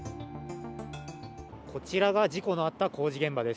こちらが事故のあった工事現場です。